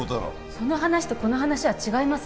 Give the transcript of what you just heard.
その話とこの話は違います